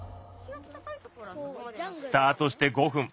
スタートして５分。